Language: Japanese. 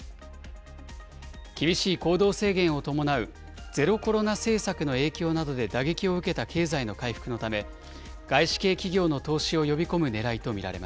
厳しい行動制限を伴うゼロコロナ政策の影響などで打撃を受けた経済の回復のため、外資系企業の投